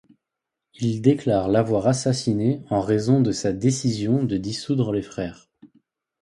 Il déclare l'avoir assassiné en raison de sa décision de dissoudre les Frères.